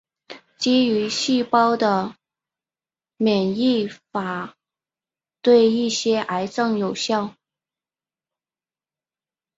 基于细胞的免疫疗法对一些癌症有效。